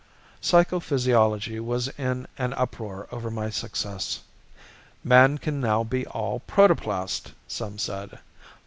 Psychophysiology was in an uproar over my success. "Man can now be all protoplast," some said.